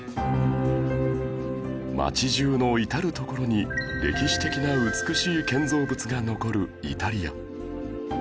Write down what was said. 街中の至る所に歴史的な美しい建造物が残るイタリア